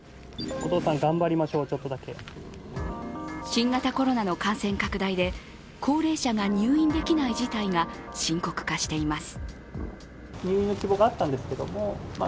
新型コロナの感染拡大で高齢者が入院できない事態が深刻化しています。